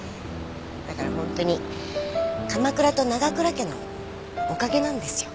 だからホントに鎌倉と長倉家のおかげなんですよ。